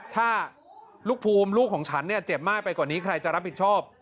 ถ้าลูกภูมิลูกของฉันเนี่ยเจ็บมากไปกว่านี้ใครจะรับผิดชอบ